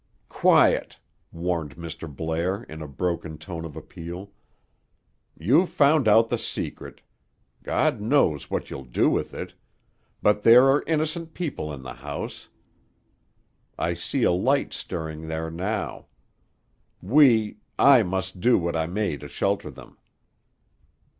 "Quiet!" warned Mr. Blair, in a broken tone of appeal. "You've found out the secret. God knows what you'll do with it. But there are innocent people in the house. I see a light stirring there now. We—I must do what I may to shelter them."